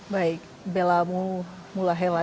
baik bella mulahela